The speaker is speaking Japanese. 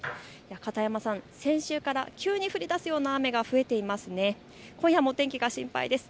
片山さん、先週から急に降りだすような雨が増えていますね。